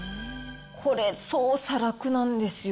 これ、操作楽なんですよ。